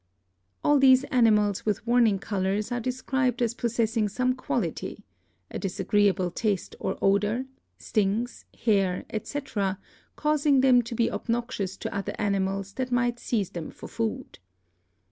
All these animals with warning colors are described as possessing some quality, a disagreeable taste or odor, stings, hairs, etc., causing them to be obnoxious to other animals that might seize them for food.